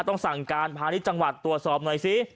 ต้องสั่งการพาณิชย์จังหวัดตรวจสอบหน่อยสิ